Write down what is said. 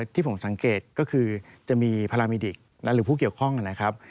ที่ผมสังเกตก็คือจะมีพารามิดิกและหรือผู้เกี่ยวข้องนะครับ